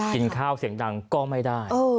กินข้าวเสียงดังก็ไม่ได้